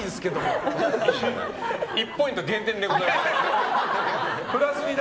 １ポイント減点でございます。